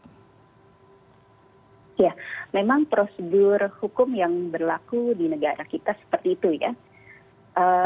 ya memang prosedur hukum yang berlaku di negara kita seperti itu ya